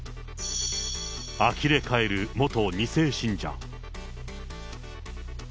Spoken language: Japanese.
あきれ返る元２世信者。